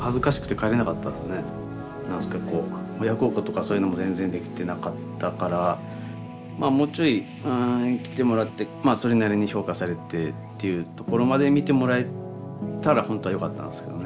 親孝行とかそういうのも全然できてなかったからまあもうちょい生きてもらってそれなりに評価されてっていうところまで見てもらえたら本当はよかったんですけどね。